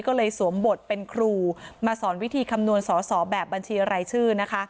ก็เลยสวมบทเป็นครูมาสอนวิธีคำนวณสอสอแบบบัญชีรายชื่อนะคะ